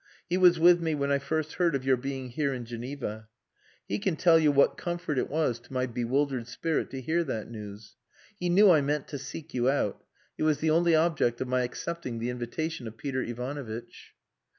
He was with me when I first heard of your being here in Geneva. He can tell you what comfort it was to my bewildered spirit to hear that news. He knew I meant to seek you out. It was the only object of my accepting the invitation of Peter Ivanovitch....